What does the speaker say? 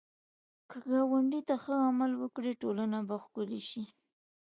که ګاونډي ته ښه عمل وکړې، ټولنه به ښکلې شي